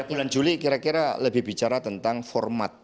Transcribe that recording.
bulan juli kira kira lebih bicara tentang format